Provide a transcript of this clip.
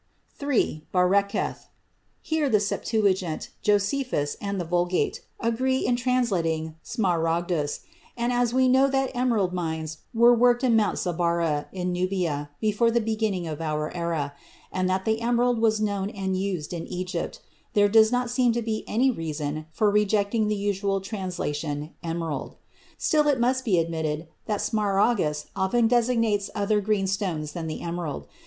III. Bareketh. [בָּרֶקֶת.] Here the Septuagint, Josephus, and the Vulgate agree in translating smaragdus, and as we know that emerald mines were worked at Mount Zabarah, in Nubia, before the beginning of our era, and that the emerald was known and used in Egypt, there does not seem to be any reason for rejecting the usual translation "emerald." Still it must be admitted that smaragdus often designates other green stones than the emerald.